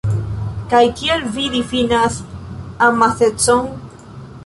Kaj kiel vi difinas amasecon?